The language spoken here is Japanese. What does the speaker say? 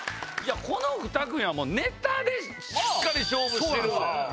このふた組はネタでしっかり勝負してるから。